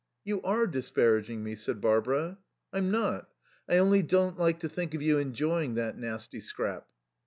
"You are disparaging me," said Barbara. "I'm not. I only don't like to think of you enjoying that nasty scrap."